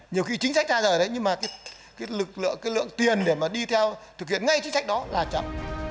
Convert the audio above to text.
nhiều khi chính sách ra rời đấy nhưng mà cái lượng tiền để mà đi theo thực hiện ngay chính sách đó là chậm